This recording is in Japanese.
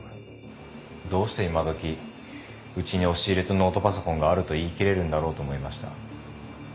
どうして今どきうちに押し入れとノートパソコンがあると言いきれるんだろうと思いました。